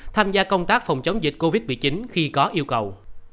tham gia công tác phòng chống dịch covid một mươi chín khi có yêu cầu